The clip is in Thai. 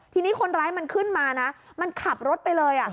ทีนี้คนร้ายมันขึ้นมานะมันขับรถไปเลย